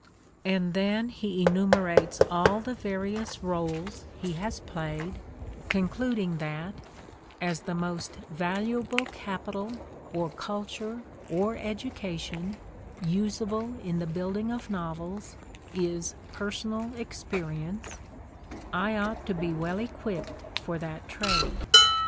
'' And then he enumerates all the various In the Crucible 97 roles he has played, concluding that "as the most valu able capital or culture or education usable in the build ing of novels is personal experience I ought to be well equipped for that trade."